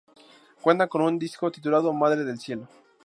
Cuentan con un disco titulado "Madre del Cielo".